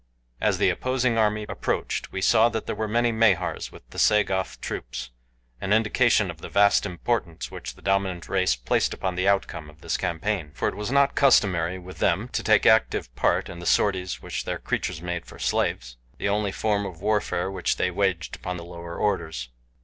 As the opposing army approached we saw that there were many Mahars with the Sagoth troops an indication of the vast importance which the dominant race placed upon the outcome of this campaign, for it was not customary with them to take active part in the sorties which their creatures made for slaves the only form of warfare which they waged upon the lower orders.